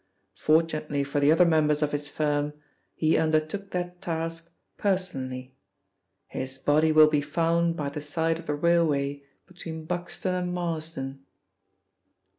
Fortunately for the other members of his firm, he undertook that task personally. His body will be found by the side of the railway between Buxton and Marsden.'